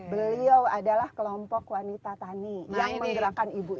beliau adalah kelompok wanita tani yang mengerakan ibu ibu